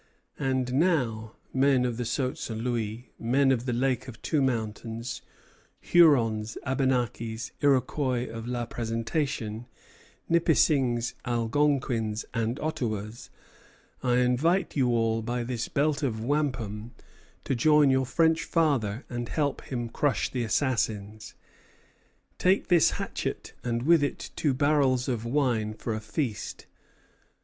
And now, men of the Saut St. Louis, men of the Lake of Two Mountains, Hurons, Abenakis, Iroquois of La Présentation, Nipissings, Algonquins, and Ottawas, I invite you all by this belt of wampum to join your French father and help him to crush the assassins. Take this hatchet, and with it two barrels of wine for a feast."